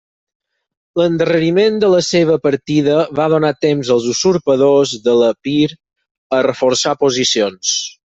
L'endarreriment de la seva partida va donar temps als usurpadors de l'Epir a reforçar posicions.